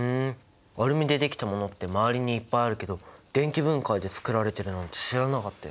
アルミでできたものって回りにいっぱいあるけど電気分解で作られてるなんて知らなかったよ。